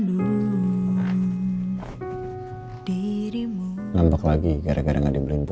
diri mu enggak go alguna gini